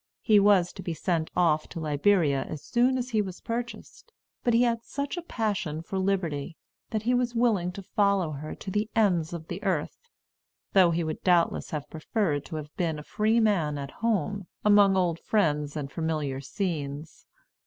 He was to be sent off to Liberia as soon as he was purchased; but he had such a passion for Liberty, that he was willing to follow her to the ends of the earth; though he would doubtless have preferred to have been a freeman at home, among old friends and familiar scenes.